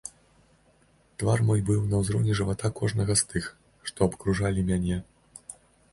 Твар мой быў на ўзроўні жывата кожнага з тых, што абкружалі мяне.